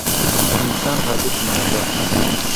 د انسان هډوکى منظم وي.